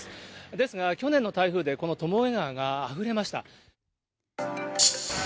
ですが、去年の台風でこの巴川があふれました。